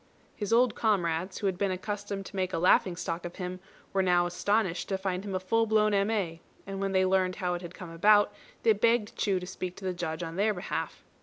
His old comrades, who had been accustomed to make a laughing stock of him, were now astonished to find him a full blown M.A., and when they learned how it had come about, they begged Chu to speak to the Judge on their behalf.